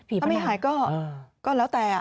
ถ้าไม่หายก็แล้วแต่